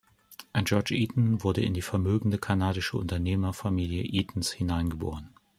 George Eaton wurde in die vermögende kanadische Unternehmerfamilie Eaton’s hineingeboren.